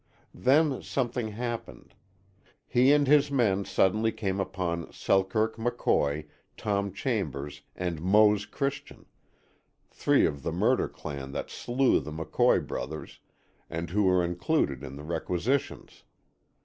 Then something happened. He and his men suddenly came upon Selkirk McCoy, Tom Chambers and Mose Christian, three of the murder clan that slew the McCoy brothers, and who were included in the requisitions.